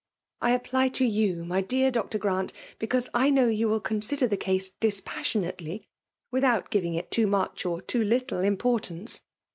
I apply to you, my dear Doctor Grant, because I know you will consider the case dispassionately, without giv* isg it too much or too little importance.